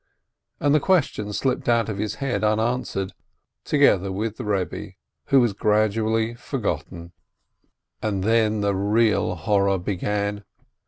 and the question slipped out of his head unanswered, together with the Rebbe, who was gradually forgotten. And then the real horror began.